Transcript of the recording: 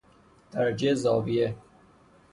درجه زاویه